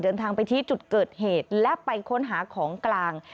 เดินทางไปที่จุดเกิดเหตุและไปค้นหาของกลาง